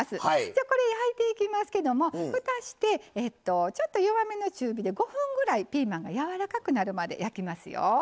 じゃあこれ焼いていきますけどもふたしてちょっと弱めの中火で５分ぐらいピーマンがやわらかくなるまで焼きますよ。